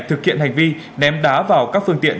thực hiện hành vi ném đá vào các phương tiện